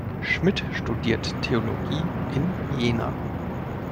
Schmidt studierte Theologie in Jena.